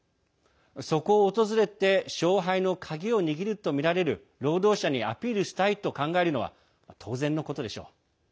そこを訪れて勝敗の鍵を握るとみられる労働者にアピールしたいと考えるのは当然のことでしょう。